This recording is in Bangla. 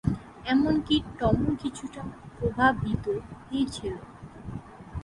এমনকি টমও কিছুটা প্রভাবিত হয়েছিল।